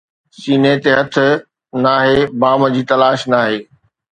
سيني تي هٿ ناهي، بام جي تلاش ناهي